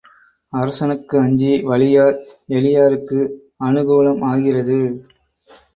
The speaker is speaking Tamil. அரசனுக்கு அஞ்சி வலியார் எளியாருக்கு அநுகூலம் ஆகிறது.